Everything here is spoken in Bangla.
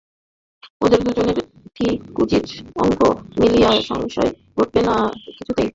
ওদের দুজনের ঠিকুজির অঙ্ক মিলিয়ে সংশয় ঘটতে দেব না কিছুতেই।